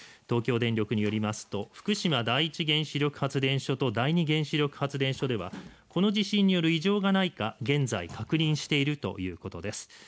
東京電力によりますと福島第一原子力発電所と第二原子力発電所ではこの地震による異常がないか現在確認しているということです。